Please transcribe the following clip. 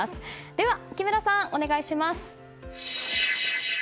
では木村さん、お願いします。